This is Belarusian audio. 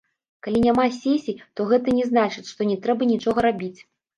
Калі няма сесіі, то гэта не значыць, што не трэба нічога рабіць.